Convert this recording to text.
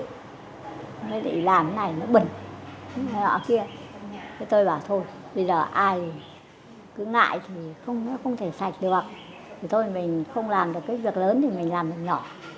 thì thôi mình không làm được cái việc lớn thì mình làm việc nhỏ